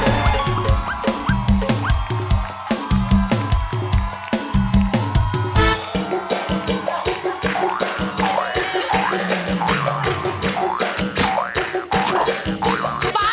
เดี๋ยว